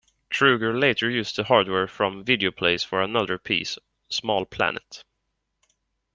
Krueger later used the hardware from Videoplace for another piece, "Small Planet".